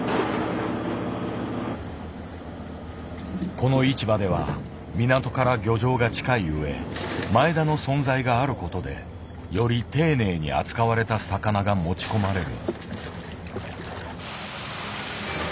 この市場では港から漁場が近い上前田の存在があることでより丁寧に扱われた魚が持ち込まれる。